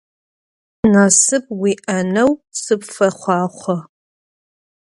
Nasıp vui'eneu sıpfexhuaxho!